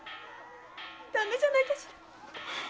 ダメじゃないかしら？